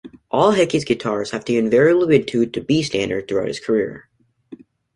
All Hickey's guitars have invariably been tuned to B Standard throughout his career.